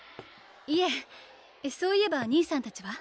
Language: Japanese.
いえそういえば兄さんたちは？